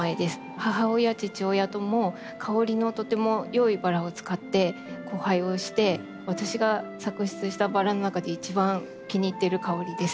母親父親とも香りのとても良いバラを使って交配をして私が作出したバラの中で一番気に入ってる香りです。